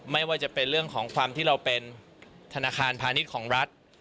ไม่ว่าจะเป็นเรื่องของความที่เราเป็นธนาคารพาณิชย์ของรัฐ